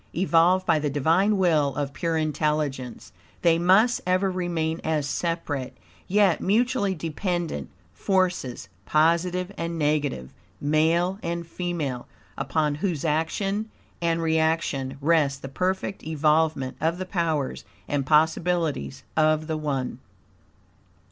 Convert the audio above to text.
Evolved by the Divine will of pure intelligence, they must ever remain as separate, yet mutually dependent, forces, positive and negative, male and female, upon whose action and reaction rest the perfect evolvement of the powers and possibilities of the One.